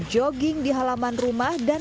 jogging di halaman rumah dan